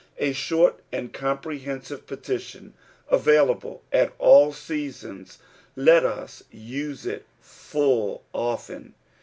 A short and comprehenBive petition, available at all seasons, let us use it full often.